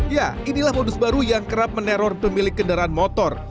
ya inilah modus baru yang kerap meneror pemilik kendaraan motor